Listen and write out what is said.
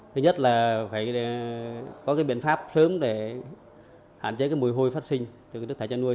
thứ nhất là phải có cái biện pháp sớm để hạn chế cái mùi hôi phát sinh từ cái nước thải tràn nuôi